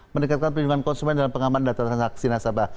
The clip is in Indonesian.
meningkatkan pelindungan konsumen dalam pengaman data transaksi nasabah